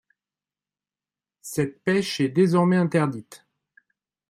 Cette pêche est désormais interdite.